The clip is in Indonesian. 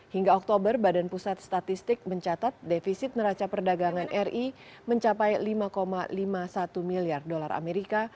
hingga oktober badan pusat statistik mencatat defisit neraca perdagangan ri mencapai lima lima puluh satu miliar dolar amerika